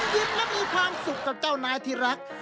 ยิ้มและมีความสุขกับเจ้านายที่รัก